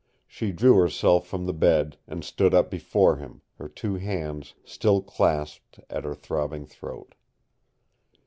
She drew herself from the bed and stood up before him, her two hands still clasped at her throbbing throat.